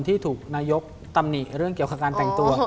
ที่ถูกนายกตำหนิเรื่องเกี่ยวกับการแต่งตัว